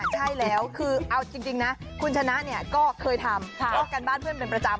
ใช่แล้วคือเอาจริงนะคุณชนะเนี่ยก็เคยทำร่วมกันบ้านเพื่อนเป็นประจำ